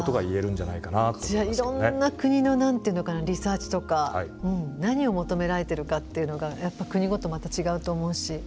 じゃあいろんな国のリサーチとか何を求められてるかっていうのがやっぱ国ごとまた違うと思うし。